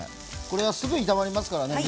これはすぐ炒まりますからね